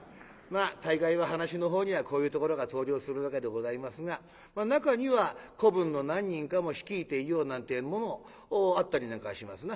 大概は噺のほうにはこういうところが登場するわけでございますが中には子分の何人かも率いていようなんてぇ者もあったりなんかしますな。